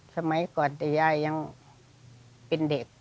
สมัยก่อนแต่ย่ายังเป็นเด็กอยู่